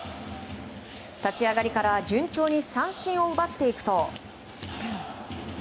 立ち上がりから順調に三振を奪っていくと。